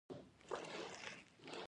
هر یوه له بله پرته امکان نه لري.